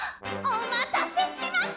お待たせしました！